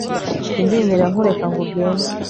Sinzigera nkureka ngo ugende